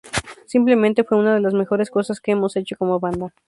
Simplemente, fue una de las mejores cosas que hemos hecho como banda.